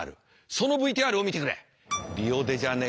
そのＶＴＲを見てくれ。